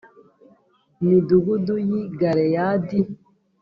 midugudu y i galeyadi